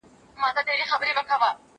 دوی چي ول بالا به ډوډۍ توده وي باره يخه وه